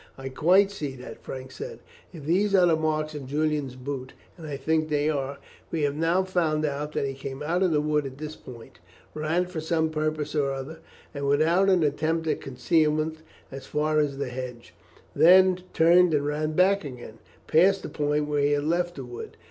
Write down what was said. "I quite see that," Frank said. "If these are the marks of Julian's boots and I think they are we have now found out that he came out of the wood at this point, ran for some purpose or other, and without an attempt at concealment, as far as the hedge; then turned and ran back again, past the point where he had left the wood.